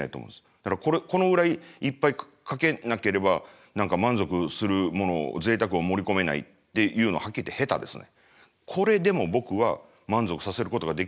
だからこのぐらいいっぱいかけなければ何か満足するものぜいたくを盛り込めないっていうのははっきり言って下手ですね。